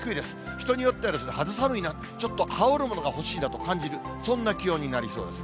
人によっては肌寒いな、ちょっと羽織るものが欲しいなと感じる、そんな気温になりそうです。